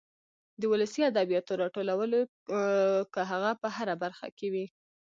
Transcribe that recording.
د ولسي ادبياتو راټولو که هغه په هره برخه کې وي.